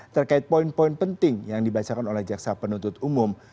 terkait poin poin penting yang dibacakan oleh jaksa penuntut umum